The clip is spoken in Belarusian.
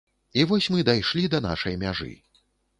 І вось мы дайшлі да нашай мяжы.